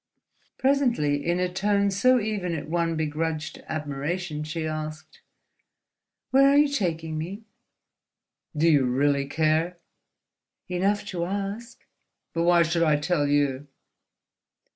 Presently, in a tone so even it won begrudged admiration, she asked: "Where are you taking me?" "Do you really care?" "Enough to ask." "But why should I tell you?"